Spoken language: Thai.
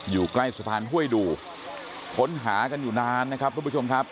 อยู่ใกล้สะพานห้วยดูค้นหากันอยู่นานนะครับทุกผู้ชมครับ